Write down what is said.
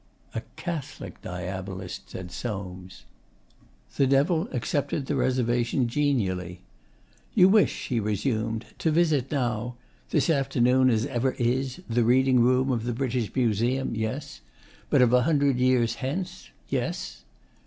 'A Catholic Diabolist,' said Soames. The Devil accepted the reservation genially. 'You wish,' he resumed, 'to visit now this afternoon as ever is the reading room of the British Museum, yes? but of a hundred years hence, yes?